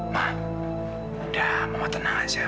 ma udah mama tenang aja